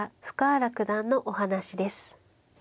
深浦九段のお話です。